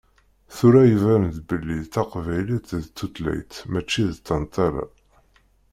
Tura iban-d belli taqbaylit d tutlayt mačči d tantala.